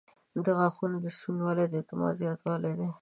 • د غاښونو سپینوالی د اعتماد زیاتوالی دی.